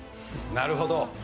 なるほど。